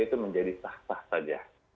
itu menjadi sah sah saja